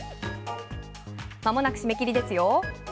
まもなく締め切りですよ